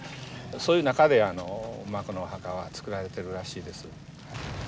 そういう中でまあこのお墓は造られてるらしいです。